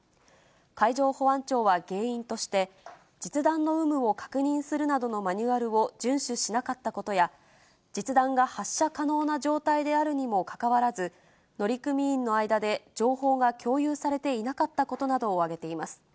海上保安庁は原因として、実弾の有無を確認するなどのマニュアルを順守しなかったことや、実弾が発射可能な状態であるにもかかわらず、乗組員の間で、情報が共有されていなかったことなどを挙げています。